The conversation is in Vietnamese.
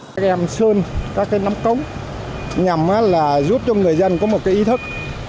các em sơn các cái nắp cống nhằm là giúp cho người dân có một cái ý thức